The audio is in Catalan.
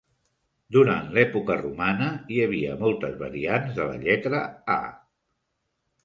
Durant l'època romana, hi havia moltes variants de la lletra "A".